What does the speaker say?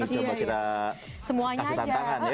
coba kita kasih tantangan ya